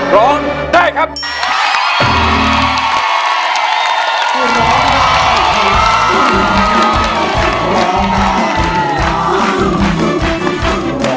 ร้องได้ครับ